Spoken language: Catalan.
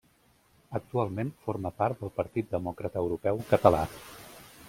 Actualment forma part del Partit Demòcrata Europeu Català.